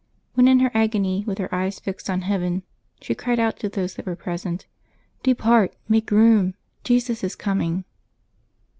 When in her agony, with her eyes fixed on heaven, she cried out to those that were present: "Depart! make room! Jesus is coming."